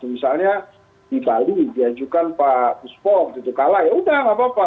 misalnya di bali diajukan pak uspok gitu kalah ya udah gapapa